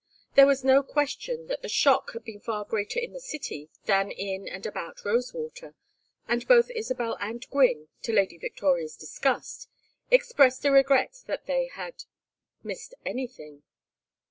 There was no question that the shock had been far greater in the city than in and about Rosewater, and both Isabel and Gwynne, to Lady Victoria's disgust, expressed a regret that they "had missed anything."